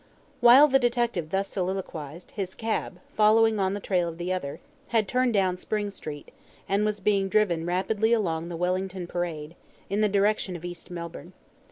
While the detective thus soliloquised, his cab, following on the trail of the other, had turned down Spring Street, and was being driven rapidly along the Wellington Parade, in the direction of East Melbourne.